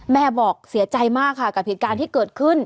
บอกเสียใจมากค่ะกับเหตุการณ์ที่เกิดขึ้น